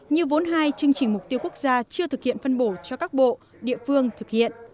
như vốn hai chương trình mục tiêu quốc gia chưa thực hiện phân bổ cho các bộ địa phương thực hiện